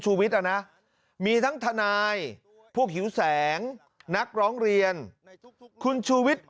นะมีทั้งทนายพวกหิวแสงนักร้องเรียนคุณชูวิทย์